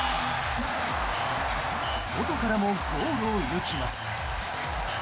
外からもゴールを射抜きます。